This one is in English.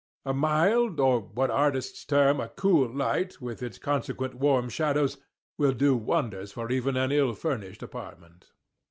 A mild, or what artists term a cool light, with its consequent warm shadows, will do wonders for even an ill furnished apartment.